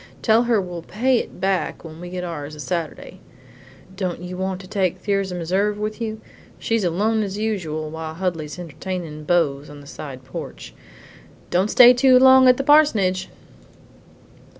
Tell her we'll pay it back when we get ours a Saturday. Don't you want to take Thirza Meserve with you? She's alone as usual while Huldy's entertainin' beaux on the side porch. Don't stay too long at the parsonage!"